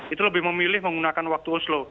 itu lebih memilih menggunakan waktu oslo